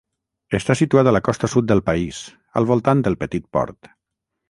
Està situat a la costa sud del país, al voltant del petit port.